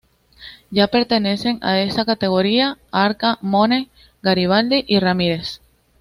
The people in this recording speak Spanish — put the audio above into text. Ya pertenecen a esa categoría: Arca-mone, Garibaldi y Ramírez.